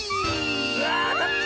うわあたった！